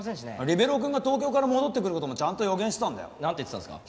リベロウくんが東京から戻ってくる事もちゃんと予言してたんだよ。なんて言ってたんですか？